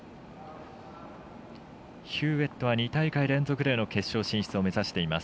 ヒューウェットは２大会連続での決勝進出を目指しています。